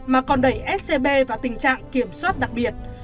mà còn đẩy scb vào tình trạng kiểm soát đặc biệt